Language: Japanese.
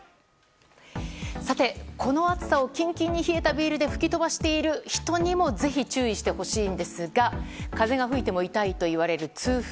この暑さをキンキンに冷えたビールで吹き飛ばしている人にもぜひ注意してほしいんですが風が吹いても痛いといわれる痛風。